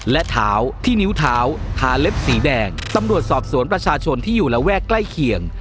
และเท้าที่นิ้วเท้าทาเล็บสีแดงตำรวจสอบสวนประชาชนที่อยู่ระแวกใกล้เคียง